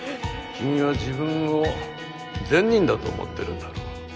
君は自分を善人だと思ってるんだろう。